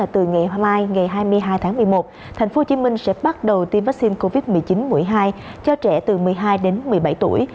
từ ngày hôm nay ngày hai mươi hai tháng một mươi một tp hcm sẽ bắt đầu tiêm vaccine covid một mươi chín mũi hai cho trẻ từ một mươi hai đến một mươi bảy tuổi